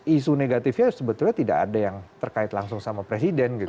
isu negatifnya sebetulnya tidak ada yang terkait langsung sama presiden